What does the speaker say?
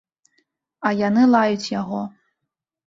А яны лаюць яго.